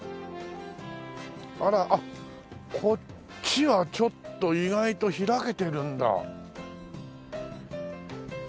あらあっこっちはちょっと意外と開けてるんだ。